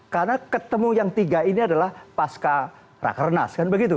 karena ketemu yang tiga ini adalah pasca rakernas